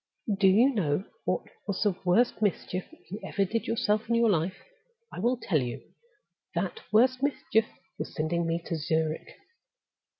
"Do you know what was the worst mischief you ever did yourself in your life? I will tell you. That worst mischief was sending me to Zurich."